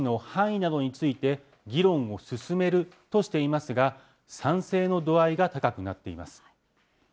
また国民民主党は、自衛権の行使の範囲などについて、議論を進めるとしていますが、賛成の度合いが高くなっています。